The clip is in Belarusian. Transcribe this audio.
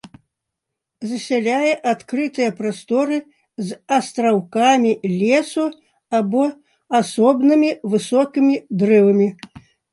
Засяляе адкрытыя прасторы з астраўкамі лесу або асобнымі высокімі дрэвамі.